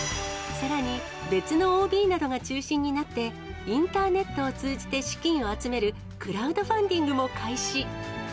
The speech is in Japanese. さらに、別のＯＢなどが中心になって、インターネットを通じて資金を集めるクラウドファンディングも開始。